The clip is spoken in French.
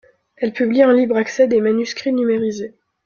Elle publie en libre accès des manuscrits numérisés.